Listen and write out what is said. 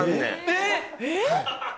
えっ！